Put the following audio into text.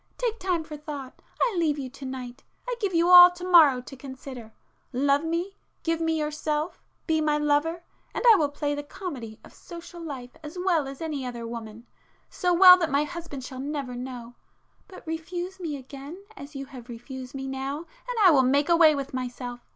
Take time for thought,—I leave you to night,—I give you all to morrow to consider,—love me,—give [p 368] me yourself,—be my lover,—and I will play the comedy of social life as well as any other woman,—so well that my husband shall never know. But refuse me again as you have refused me now, and I will make away with myself.